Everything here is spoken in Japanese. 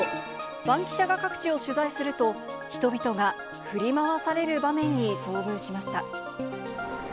バンキシャが各地を取材すると、人々が振り回される場面に遭遇しました。